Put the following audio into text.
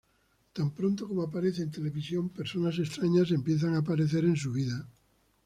Tan pronto como aparece en televisión, personas extrañas empiezan a aparecer en su vida.